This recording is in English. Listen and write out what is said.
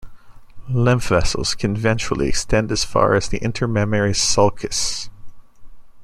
Lymph vessels can ventrally extend as far as the intermammary sulcus.